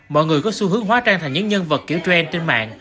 mọi người có xu hướng hóa trang thành những nhân vật kiểu trend trên mạng